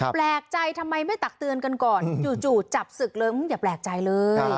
แปลกใจทำไมไม่ตักเตือนกันก่อนจู่จับศึกเลยอย่าแปลกใจเลย